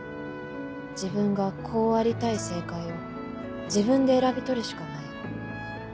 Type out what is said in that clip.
自分がこうありたい正解を自分で選び取るしかない。